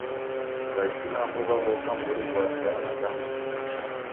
W'aisilamu w'aw'oka mori ghwa Ramadhani juma ichaa.